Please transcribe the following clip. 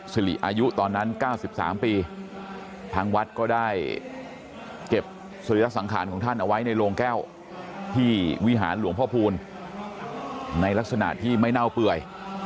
สิริอายุตอนนั้น๙๓ปีทางวัดก็ได้เก็บสรีระสังขารของท่านเอาไว้ในโรงแก้วที่วิหารหลวงพ่อพูลในลักษณะที่ไม่เน่าเปื่อย